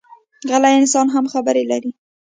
غلی انسان هم خبرې لري